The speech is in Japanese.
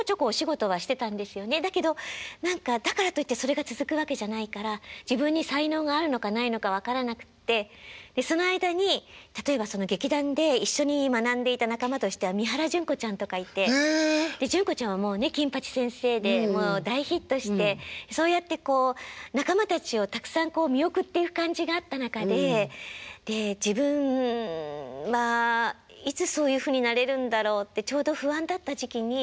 だけど何かだからといってそれが続くわけじゃないから自分に才能があるのかないのか分からなくってその間に例えばその劇団で一緒に学んでいた仲間としては三原じゅん子ちゃんとかいてでじゅん子ちゃんはもうね「金八先生」でもう大ヒットしてそうやってこう仲間たちをたくさん見送っていく感じがあった中でで自分まあいつそういうふうになれるんだろうってちょうど不安だった時期に何かその「歌手になりませんか？」